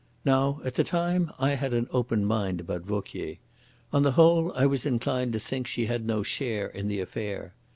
Now at the time I had an open mind about Vauquier. On the whole I was inclined to think she had no share in the affair.